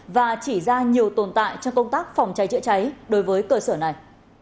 và chỉ ra nhiều tồn tại trong công tác phòng cháy chữa cháy đối với cơ sở này